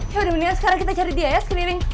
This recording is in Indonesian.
yaudah mendingan sekarang kita cari dia ya screening